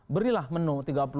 berilah menu tiga puluh empat